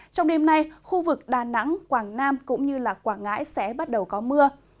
trong đêm nay khu vực đà nẵng quảng nam cũng như quảng ngãi sẽ bắt đầu có mưa